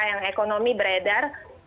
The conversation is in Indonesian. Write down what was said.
yang ekonomi beredar